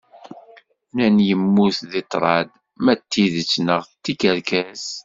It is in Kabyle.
Nnan yemmut deg ṭṭrad, ma d tidett neɣ d tikerkas